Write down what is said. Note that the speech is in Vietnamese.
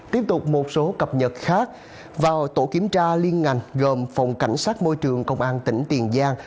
tiếp tục một số cập nhật khác vào tổ kiểm tra liên ngành gồm phòng cảnh sát môi trường công an tỉnh tiền giang